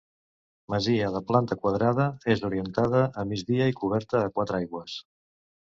Masia, de planta quadrada, és orientada a migdia i coberta a quatre aigües.